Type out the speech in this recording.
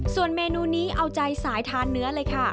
ส่วนเมนูนี้เอาใจสายทานเนื้อเลยค่ะ